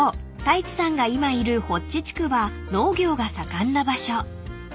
太一さんが今いる発地地区は農業が盛んな場所］